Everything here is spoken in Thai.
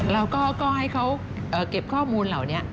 เราก็ให้เขาเก็บข้อมูลเหล่านี้